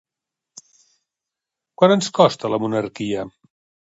Quant ens costa la monarquia?